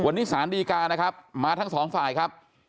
วันนี้สารดีกานะครับมาทั้งสองฝ่ายครับ